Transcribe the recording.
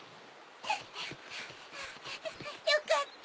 よかった